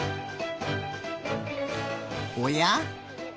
おや？